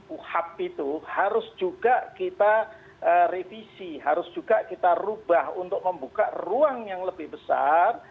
uhab itu harus juga kita revisi harus juga kita rubah untuk membuka ruang yang lebih besar